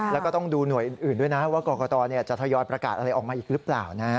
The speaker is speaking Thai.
แล้วก็ต้องดูหน่วยอื่นด้วยนะว่ากรกตจะทยอยประกาศอะไรออกมาอีกหรือเปล่านะ